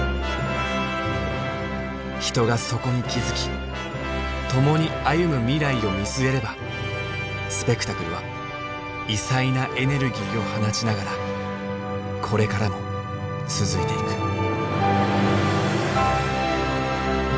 人がそこに気付き共に歩む未来を見据えればスペクタクルは異彩なエネルギーを放ちながらこれからも続いていく。